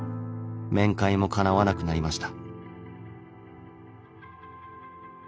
面会もかなわなくなりました。